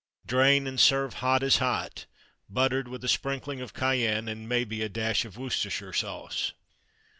Drain, and serve hot as hot, buttered, with a sprinkling of cayenne, and, maybe, a dash of Worcester sauce.